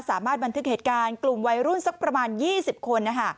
บันทึกเหตุการณ์กลุ่มวัยรุ่นสักประมาณ๒๐คน